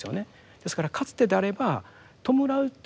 ですからかつてであれば弔うっていうですね